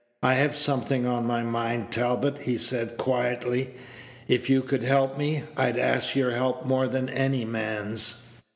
"I have something on my mind, Talbot," he said, quietly. "If you could help me, I'd ask your help more than any man's.